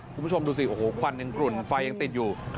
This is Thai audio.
คุณผู้ชมดูสิโอ้โหควันยังกลุ่นไฟยังติดอยู่